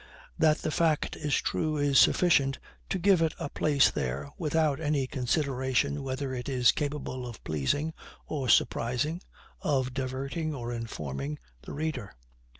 That the fact is true is sufficient to give it a place there, without any consideration whether it is capable of pleasing or surprising, of diverting or informing, the reader.